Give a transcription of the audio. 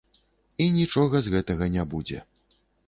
І нічога з гэтага не будзе.